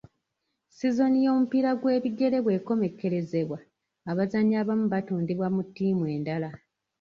Sizoni y'omupiira gw'ebigere bwe komekkerezebwa, abazannyi abamu batundibwa mu ttiimu endala.